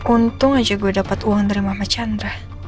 untung aja gue dapat uang dari mama chandra